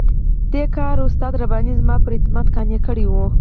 دې کار استاد رباني زما پر اعتماد قانع کړی وو.